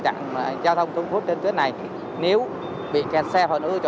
trong bốn ngày nghỉ lễ